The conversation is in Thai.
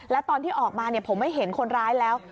แล้วตอนที่ออกมาผมไม่เห็นคนร้ายแล้ว